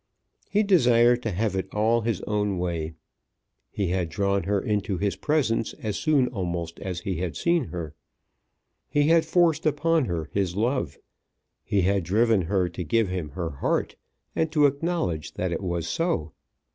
He desired to have it all his own way. He had drawn her into his presence as soon almost as he had seen her. He had forced upon her his love. He had driven her to give him her heart, and to acknowledge that it was so.